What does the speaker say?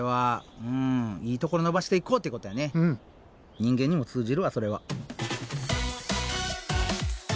人間にも通じるわそれは。